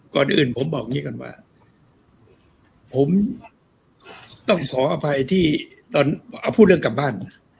ก่อนอื่นผมบอกอย่างนี้ก่อนว่าผมต้องขออภัยที่ตอนเอาพูดเรื่องกลับบ้าน